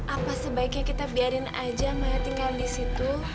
apa sebaiknya kita biarin aja maha tinggal di situ